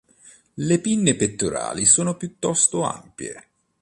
Le pinne pettorali sono piuttosto ampie.